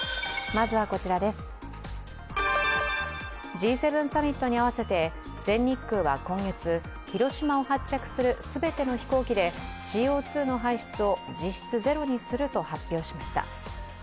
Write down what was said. Ｇ７サミットに合わせて全日空は今月、広島を発着する全ての飛行機でＣＯ２の排出を実質ゼロにすると発表しました。